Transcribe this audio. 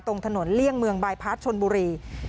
ตรงถนนเลี่ยงเมืองบายพาร์ทชนบุรี